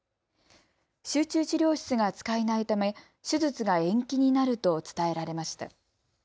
集中治療室が使えないため手術が延期になると伝えられました。